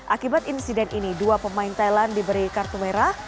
akibat insiden ini dua pemain thailand diberi kartu merah